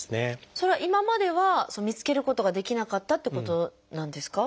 それは今までは見つけることができなかったっていうことなんですか？